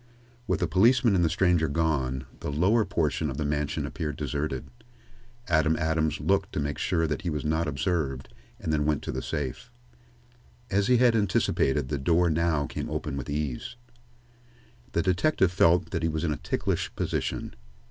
With the policeman and the stranger gone, the lower portion of the mansion appeared deserted. Adam Adams looked to make sure that he was not observed, and then went to the safe. As he had anticipated, the door now came open with ease. The detective felt that he was in a ticklish position.